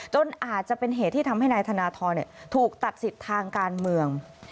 จนอาจจะเป็นเหตุที่ทำให้นายธนทรถูกตัดสิทธิ์ทางการเมือง